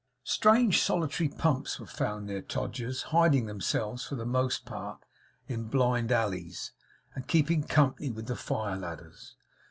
Strange solitary pumps were found near Todgers's hiding themselves for the most part in blind alleys, and keeping company with fire ladders.